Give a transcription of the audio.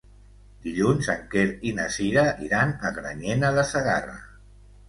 Dilluns en Quer i na Sira iran a Granyena de Segarra.